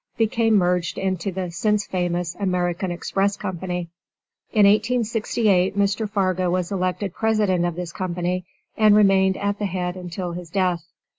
became merged into the since famous American Express Co. In 1868 Mr. Fargo was elected President of this Company, and remained at its head until his death.